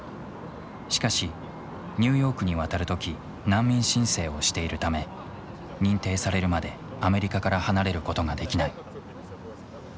しかしニューヨークに渡る時難民申請をしているため認定されるまでアメリカから離れることができない。